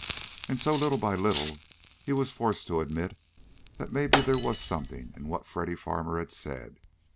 And so little by little he was forced to admit that maybe there was something in what Freddy Farmer had said.